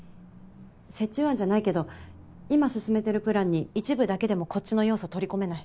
折衷案じゃないけど今進めてるプランに一部だけでもこっちの要素取り込めない？